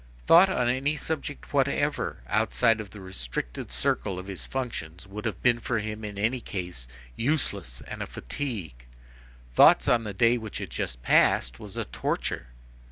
Thought on any subject whatever, outside of the restricted circle of his functions, would have been for him in any case useless and a fatigue; thought on the day which had just passed was a torture.